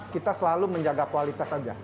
kita selalu menjaga kualitas saja